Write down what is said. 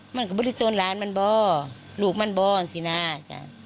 มันก็บดิตรงลานมันบองลูกมันบองสินะจ้า